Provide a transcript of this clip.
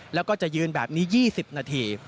แล้วก็จะยืนแบบนี้๒๐นาที